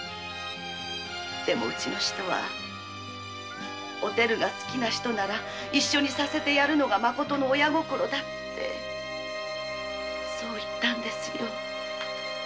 でも主人は「おてるが好きな人なら一緒にさせてやるのがまことの親心だ」ってそう言ったんです。